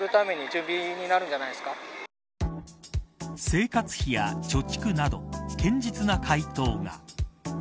生活費や貯蓄など堅実な回答が。